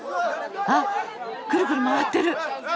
あっくるくる回ってる！